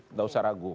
tidak usah ragu